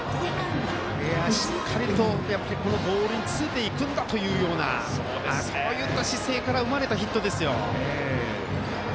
しっかりと、このボールについていくんだというようなそういった姿勢から生まれたヒットですよ。